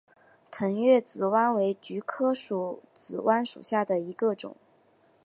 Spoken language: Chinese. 腾越紫菀为菊科紫菀属下的一个种。